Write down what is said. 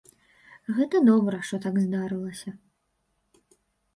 Гэта добра, што так здарылася.